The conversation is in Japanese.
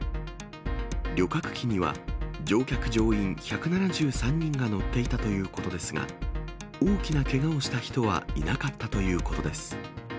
旅客機には、乗客・乗員１７３人が乗っていたということですが、大きなけがをした人はいなかったということです。